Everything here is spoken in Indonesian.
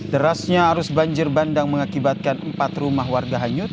derasnya arus banjir bandang mengakibatkan empat rumah warga hanyut